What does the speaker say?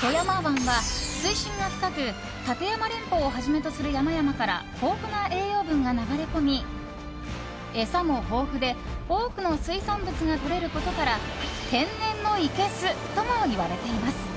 富山湾は、水深が深く立山連峰をはじめとする山々から豊富な栄養分が流れ込み餌も豊富で多くの水産物がとれることから天然のいけすともいわれています。